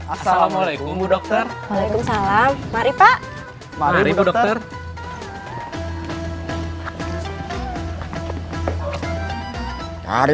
assalamualaikum bu dokter